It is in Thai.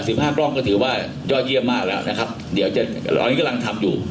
ห้ากล้องก็ถือว่ายอดเยี่ยมมากแล้วนะครับเดี๋ยวจะตอนนี้กำลังทำอยู่